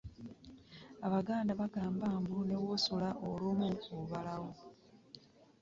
Abaganda bagamba mbu ne w'osula olumu obalawo.